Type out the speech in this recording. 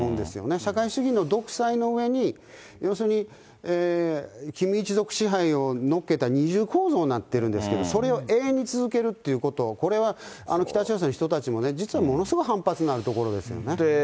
社会主義の独裁のうえに、要するに、キム一族支配をのっけた二重構造になってるんですけど、それを永遠に続けるということ、これは、北朝鮮の人たちもね、実はものすごい反発のあるところですよね。